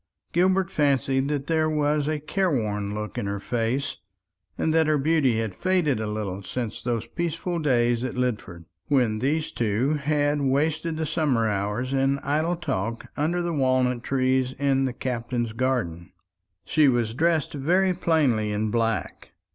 Gilbert fancied that there was a careworn look in her face, and that her beauty had faded a little since those peaceful days at Lidford, when these two had wasted the summer hours in idle talk under the walnut trees in the Captain's garden. She was dressed very plainly in black.